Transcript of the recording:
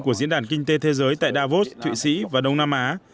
của diễn đàn kinh tế thế giới tại davos thụy sĩ và đông nam á